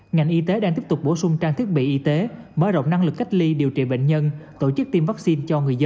ngành y tế đang tiếp tục bổ sung trang thiết bị y tế mở rộng năng lực cách ly điều trị bệnh nhân